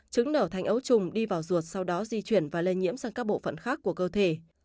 trứng nở thành ấu trùng đi vào ruột sau đó di chuyển và lây nhiễm sang các bộ phận khác của cơ thể